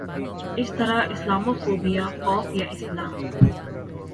اس طرح Islamophobia خوف یا اسلام